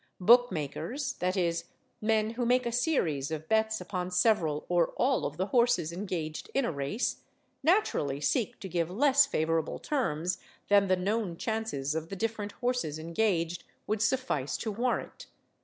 Book makers—that is, men who make a series of bets upon several or all of the horses engaged in a race—naturally seek to give less favourable terms than the known chances of the different horses engaged would suffice to warrant.